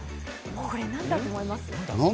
これ、なんだと思います？